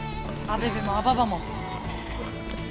アベベもアババも。